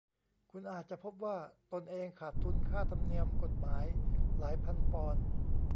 คุณอาจจะพบว่าตนเองขาดทุนค่าธรรมเนียมกฎหมายหลายพันปอนด์